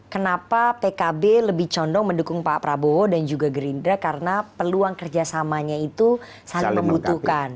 kenapa pkb lebih condong mendukung pak prabowo dan juga gerindra karena peluang kerjasamanya itu saling membutuhkan